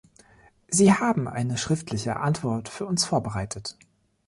Sie haben eine schriftliche Antwort für uns vorbereitet.